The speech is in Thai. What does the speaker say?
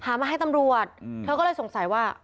มาให้ตำรวจเธอก็เลยสงสัยว่า